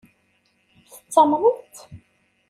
Tettamneḍ-tt?